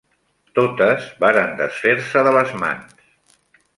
Totes varen desfer-se de les mans